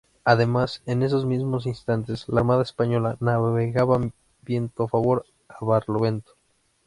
Además, en esos mismos instantes la Armada española navegaba viento a favor, a barlovento.